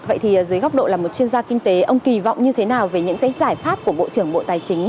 vậy thì dưới góc độ là một chuyên gia kinh tế ông kỳ vọng như thế nào về những giải pháp của bộ trưởng bộ tài chính